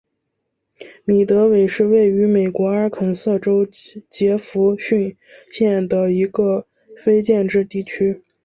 米德韦是位于美国阿肯色州杰佛逊县的一个非建制地区。